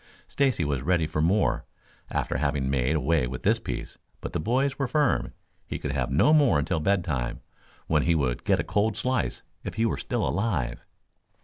Stacy was ready for more after having made away with this piece, but the boys were firm. He could have no more until bedtime, when he would get a cold slice if he were still alive.